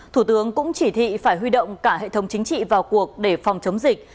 thủ tướng cũng chỉ thị phải huy động cả hệ thống chính trị vào cuộc để phòng chống dịch